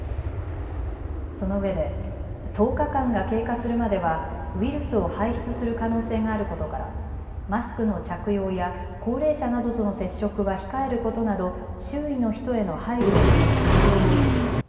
そのうえで１０日間が経過するまではウイルスを排出する可能性があることからマスクの着用や高齢者などとの接触は控えることなど周囲の人への配慮を求めています。